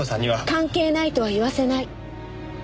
関係ないとは言わせない！